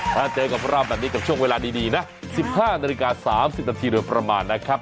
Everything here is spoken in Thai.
ถ้าเจอกับเราแบบนี้กับช่วงเวลาดีนะ๑๕นาฬิกา๓๐นาทีโดยประมาณนะครับ